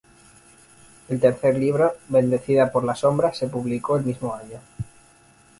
El tercer libro "Bendecida por la sombra" se publicó el mismo año.